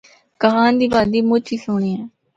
کاغان دی وادی مُچ ہی سہنڑی اے۔